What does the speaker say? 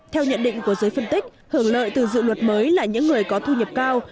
theo nhận định của giới phân tích hưởng lợi từ dự luật mới là những người có thu nhập cao